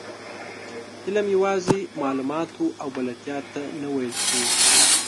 علم یوازې معلوماتو او بلدتیا ته نه ویل کېږي.